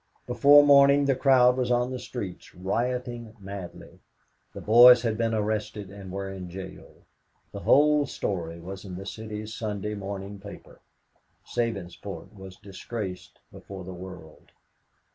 Before morning the crowd was on the streets, rioting madly. The boys had been arrested and were in jail. The whole story was in the City's Sunday morning paper. Sabinsport was disgraced before the world.